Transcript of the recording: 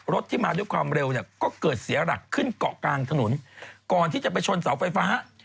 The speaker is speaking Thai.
รถที่มาด้วยความเร็วเนี่ยก็เกิดเสียหลักขึ้นเกาะกลางถนนก่อนที่จะไปชนเสาไฟฟ้า